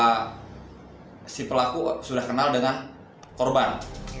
karena si pelaku sudah kenal dengan korban